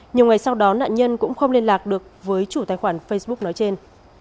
nhiều ngày sau đó nạn nhân cũng không liên lạc được với chủ tài khoản facebook nói trên